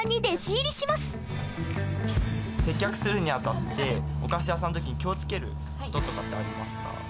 接客するにあたってお菓子屋さん時に気を付ける事ってありますか？